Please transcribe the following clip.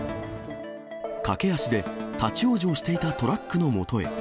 駆け足で立往生していたトラックのもとへ。